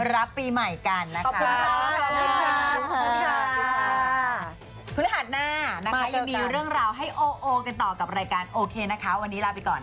รับปีใหม่กันแล้วคุณ